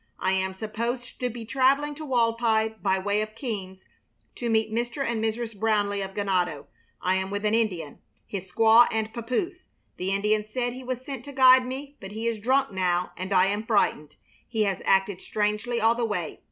I am supposed to be traveling to Walpi, by way of Keams, to meet Mr. and Mrs. Brownleigh of Ganado. I am with an Indian, his squaw and papoose. The Indian said he was sent to guide me, but he is drunk now and I am frightened. He has acted strangely all the way.